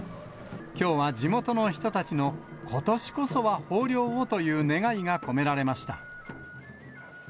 きょうは地元の人たちの、ことしこそは豊漁をという願いが込められました。